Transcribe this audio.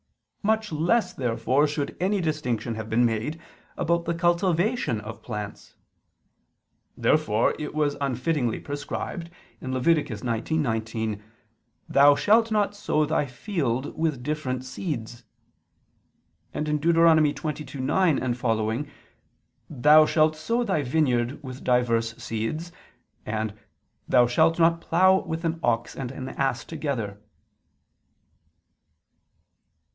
Much less therefore should any distinction have been made about the cultivation of plants. Therefore it was unfittingly prescribed (Lev. 19:19): "Thou shalt not sow thy field with different seeds"; and (Deut. 22:9, seqq.): "Thou shalt sow thy vineyard with divers seeds"; and: "Thou shalt not plough with an ox and an ass together."